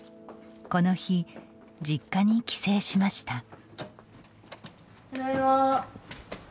この日、実家に帰省しました。